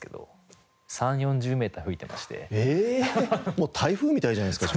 もう台風みたいじゃないですか。